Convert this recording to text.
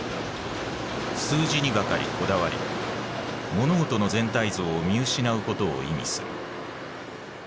数字にばかりこだわり物事の全体像を見失うことを意味する。